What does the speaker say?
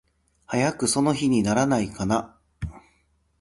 早くその日にならないかな。